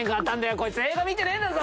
⁉こいつ映画見てねえんだぞ！